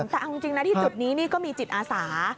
แต่เอาจริงนะที่จุดนี้นี่ก็มีจิตอาสา